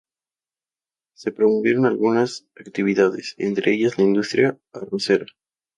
Se promovieron algunas actividades, entre ellas la industria arrocera.